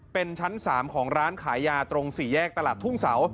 เป็นชั้น๓ของร้านขายยาตรง๔แยกตลาดทุ่งเสา